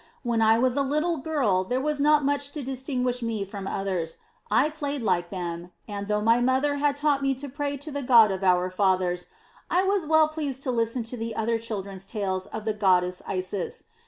When I was a little girl, there was not much to distinguish me from others. I played like them and, though my mother had taught me to pray to the God of our fathers, I was well pleased to listen to the other children's tales of the goddess Isis.